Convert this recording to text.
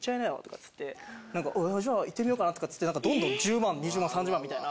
「えじゃあいってみようかな」とかってどんどん１０万２０万３０万みたいな。